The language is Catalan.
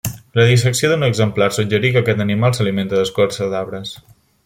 La dissecció d'un exemplar suggerí que aquest animal s'alimenta d'escorça d'arbres.